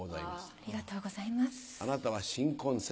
ありがとうございます。